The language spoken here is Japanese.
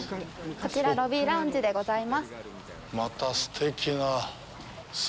こちら、ロビーラウンジでございます。